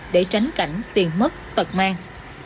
để tránh cảnh tiền mất tật mang